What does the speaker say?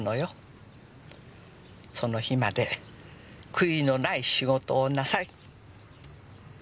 その日まで悔いのない仕事をなさい。